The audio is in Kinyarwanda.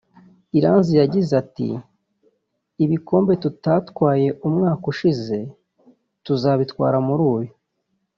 Iranzi yagize ati” Ibikombe tutatwaye umwaka ushize tuzabitwara muri uyu